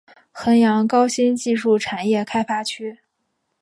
衡阳高新技术产业开发区